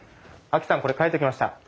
あきさんこれ書いときました。